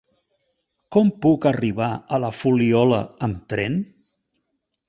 Com puc arribar a la Fuliola amb tren?